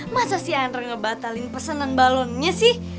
masa si andra ngebatalin pesenan balonnya sih